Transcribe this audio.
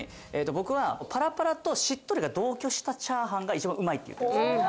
僕はパラパラとしっとりが同居したチャーハンが一番うまいって言ってるんです